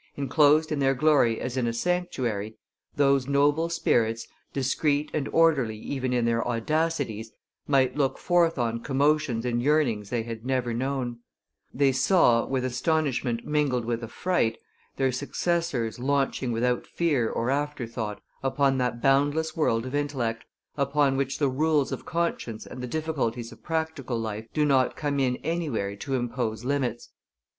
Enclosed in their glory as in a sanctuary, those noble spirits, discreet and orderly even in their audacities, might look forth on commotions and yearnings they had never known; they saw, with astonishment mingled with affright, their successors launching without fear or afterthought upon that boundless world of intellect, upon which the rules of conscience and the difficulties of practical life do not come in anywhere to impose limits.